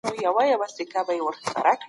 پر خپله غاړه اخیستی وي